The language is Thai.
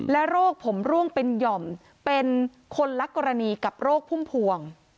โรคผมร่วงเป็นหย่อมเป็นคนละกรณีกับโรคพุ่มพวง